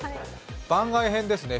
番外編ですね。